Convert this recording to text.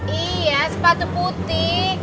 iya sepatu putih